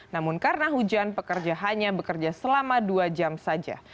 namun karena hujan pekerja hanya bekerja selama dua jam saja